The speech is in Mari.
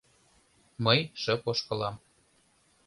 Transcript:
Мый шып ошкылам.